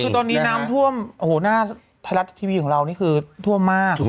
คือตอนนี้น้ำท่วมโอ้โหหน้าไทยรัฐทีวีของเรานี่คือท่วมมาก